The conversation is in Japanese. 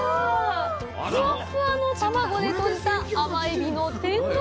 ふわふわの卵で閉じた甘エビの天丼。